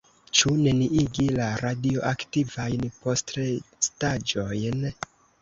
Ĉu neniigi la radioaktivajn postrestaĵojn?